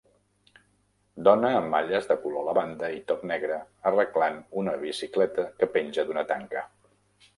Dona amb malles de color lavanda i top negre arreglant una bicicleta que penja d'una tanca